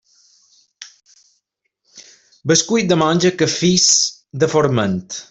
Bescuit de monja, cafís de forment.